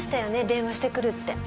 電話してくるって。